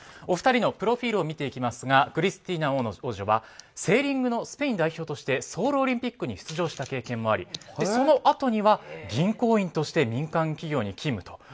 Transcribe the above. お二人のプロフィールを見ていきますがクリスティーナ王女はセーリングのスペイン代表としてソウルオリンピックに出場した経験もありそのあとには銀行員として民間企業に勤務。